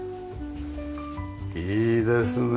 いいですね